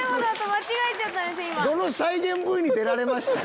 どの再現ＶＴＲに出られました？